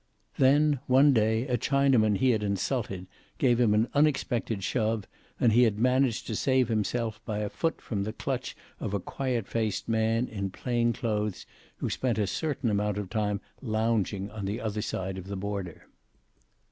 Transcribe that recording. Then, one day, a Chinaman he had insulted gave him an unexpected shove, and he had managed to save himself by a foot from the clutch of a quiet faced man in plain clothes who spent a certain amount of time lounging on the other side of the border.